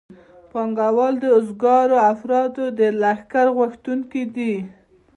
پانګوال د وزګارو افرادو د لښکر غوښتونکي دي